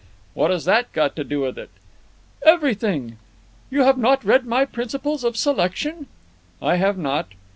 "What has that got to do with it?" "Everything. You have not read my 'Principles of Selection'?" "I have not."